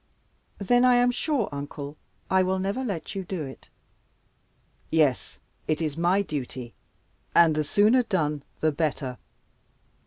"Then I am sure, uncle, I will never let you do it." "Yes, it is my duty, and the sooner done the better.